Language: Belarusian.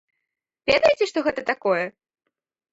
Ведаеце, што гэта такое?